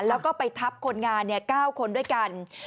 แล้วก็ไปทับคนงาน๙คนด้วยกัน